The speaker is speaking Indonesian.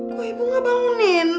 kok ibu gak bangunin